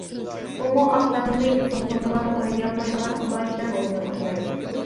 بۇمۇ ئاق تەنلىك زۇڭتۇڭلار ئوينىيالمايدىغان ئالاھىدە رولنى ئوينايدۇ.